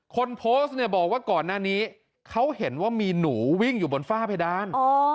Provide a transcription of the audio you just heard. คนโพสต์เนี่ยบอกว่าก่อนหน้านี้เขาเห็นว่ามีหนูวิ่งอยู่บนฝ้าเพดาน